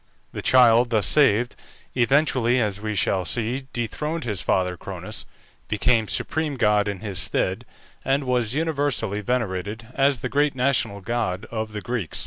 The child thus saved, eventually, as we shall see, dethroned his father Cronus, became supreme god in his stead, and was universally venerated as the great national god of the Greeks.